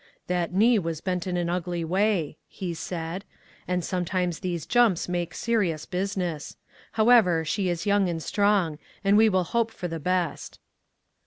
" That knee was bent in an ugly way," he said, " and sometimes these jumps make serious business. However, she is young and strong, and we will hope for the best."